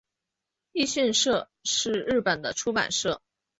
一迅社是日本的出版社。